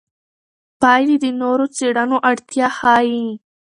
پایلې د نورو څېړنو اړتیا ښيي.